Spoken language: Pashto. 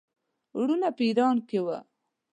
وروڼه په ایران کې وه.